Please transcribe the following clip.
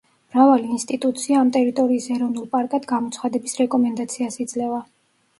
მრავალი ინსტიტუცია ამ ტერიტორიის ეროვნულ პარკად გამოცხადების რეკომენდაციას იძლევა.